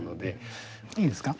いいですか？